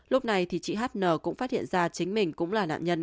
lúc này thì chị h n cũng phát hiện ra chính mình cũng là nạn nhân